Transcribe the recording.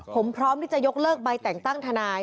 ผมพร้อมที่จะยกเลิกใบแต่งตั้งทนาย